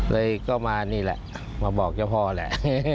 เลยก็มานี่แหละมาบอกเจ้าพ่อแหละ